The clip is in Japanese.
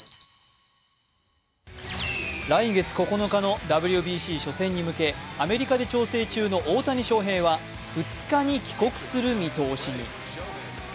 来月９日のＷＢＣ初戦に向け、アメリカで調整中の大谷翔平は２日に帰国する見通しに。